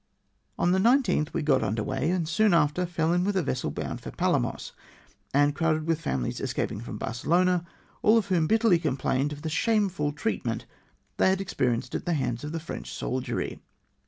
On the 19th we got imder weigh, and soon after fell in with a vessel bound for Palamos, and crowded with families escaping from Barcelona, all of whom bitterly complained of the shameful treatment they had experienced at the hands of the French soldiery.